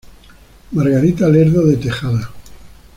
Margarita Lerdo de Tejada.